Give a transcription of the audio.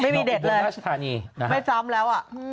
ไม่ซ้ำแล้วอ่ะ